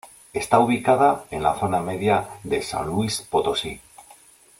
Está ubicado en la zona media de San Luis Potosí.